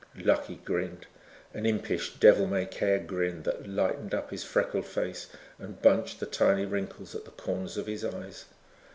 Lucky grinned, an impish, devil may care grin that lightened up his freckled face and bunched the tiny wrinkles at the corners of his eyes.